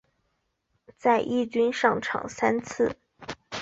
在一军上场三次。